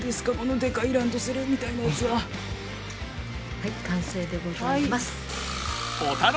はい完成でございます。